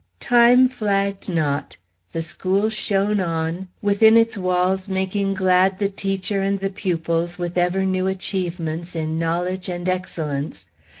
Time flagged not. The school shone on, within its walls making glad the teacher and the pupils with ever new achievements in knowledge and excellence.